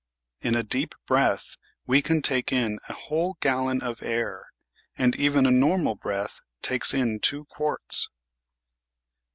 In a deep breath we can take in a whole gallon of air, and even a normal breath takes in two quarts.